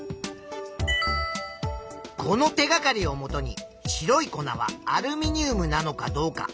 この手がかりをもとに「白い粉はアルミニウムなのかどうか」。